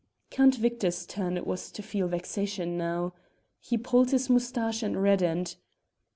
Count Victor's turn it was to feel vexation now. He pulled his moustache and reddened.